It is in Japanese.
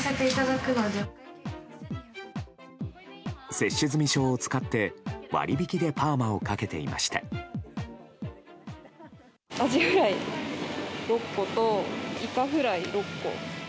接種済証を使って、割り引きでパーマをかけていました。